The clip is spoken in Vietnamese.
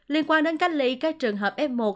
liên quan đến cách ly các trường hợp f một